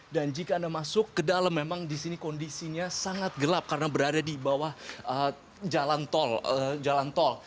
dan jika anda masuk ke dalam memang di sini kondisinya sangat gelap karena berada di bawah jalan tol